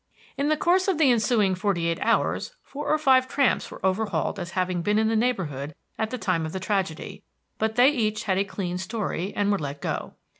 In the course of the ensuing forty eight hours four or five tramps were overhauled as having been in the neighborhood at the time of the tragedy; but they each had a clean story, and were let go.